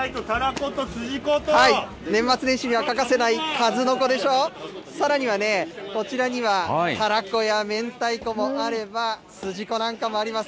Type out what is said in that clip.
年末年始には欠かせないかずのこでしょ、さらにはね、こちらにはたらこやめんたいこもあれば、すじこなんかもあります。